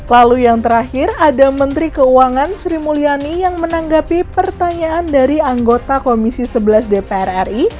lalu yang terakhir ada menteri keuangan sri mulyani yang menanggapi pertanyaan dari anggota komisi sebelas dpr ri